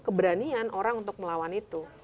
keberanian orang untuk melawan itu